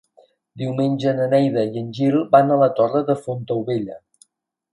Diumenge na Neida i en Gil van a la Torre de Fontaubella.